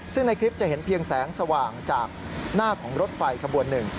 ซึ่งในคลิปจะเห็นเพียงแสงสว่างจากหน้าของรถไฟขบวนหนึ่ง